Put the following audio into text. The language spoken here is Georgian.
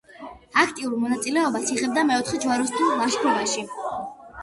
აქტიურ მონაწილეობას იღებდა მეოთხე ჯვაროსნულ ლაშქრობაში.